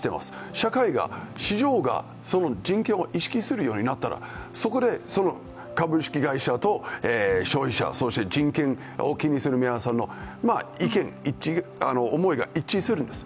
社会が市場が、その人権を意識するようになったら、そこで株式会社と消費者、そして人権を気にする皆さんの思いが一致するんです。